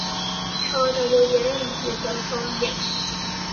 錯就要認，要對方認